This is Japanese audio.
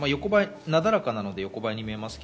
なだらかなので横ばいに見えますが。